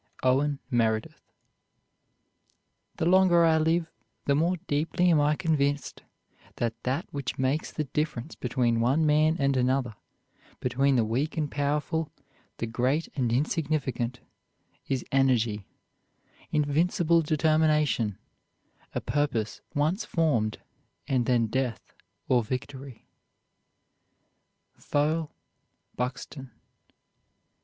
OWEN MEREDITH. The longer I live, the more deeply am I convinced that that which makes the difference between one man and another between the weak and powerful, the great and insignificant, is energy invincible determination a purpose once formed, and then death or victory. FOWELL BUXTON.